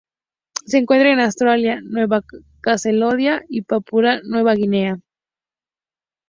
Se encuentra en Australia, Nueva Caledonia, y Papúa Nueva Guinea.